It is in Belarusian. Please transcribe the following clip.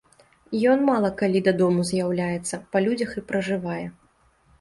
Ён мала калі дадому з'яўляецца, па людзях і пражывае.